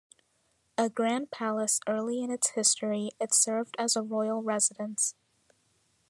A grand palace early in its history, it served as a royal residence.